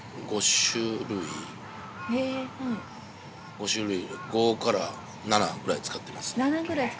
５種類５から７ぐらい使ってます。